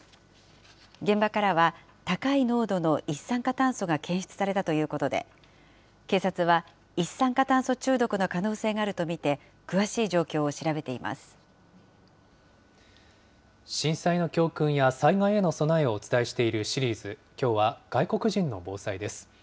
現場からは、高い濃度の一酸化炭素が検出されたということで、警察は一酸化炭素中毒の可能性があると見て、詳しい状況を調べてい震災の教訓や災害への備えをお伝えしているシリーズ、きょうは外国人の防災です。